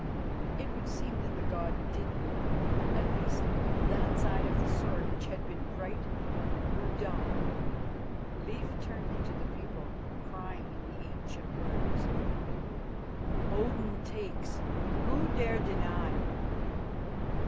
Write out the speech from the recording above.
It would seem that the god did breathe; at least, that side of the sword which had been bright grew dull. Leif turned it to the people, crying in the ancient words: "Odin takes; who dare deny?"